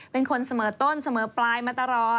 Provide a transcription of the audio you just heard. เป็นคนเสมอต้นเสมอปลายมาตลอด